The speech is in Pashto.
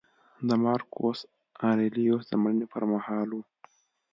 د مارکوس اریلیوس د مړینې پرمهال و